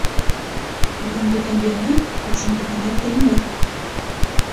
Үҙеңдекен бирмә, күршендекенә теймә.